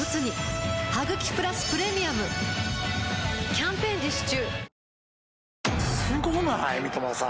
キャンペーン実施中